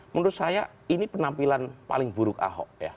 menurut saya ini penampilan paling buruk ahok ya